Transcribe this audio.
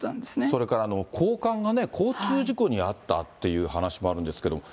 それから高官がね、交通事故に遭ったっていう話もあるんですけども。